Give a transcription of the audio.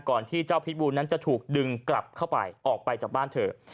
ที่เจ้าพิษบูนั้นจะถูกดึงกลับเข้าไปออกไปจากบ้านเธอ